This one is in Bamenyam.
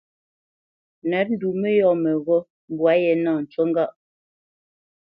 Nə̂t ndu mə́yɔ̂ mə́ghó mbwâ ye nâ, ncu ŋgâʼ.